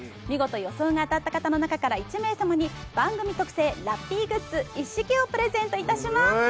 見事予想が当たった方の中から１名様に番組特製ラッピーグッズ一式をプレゼントします。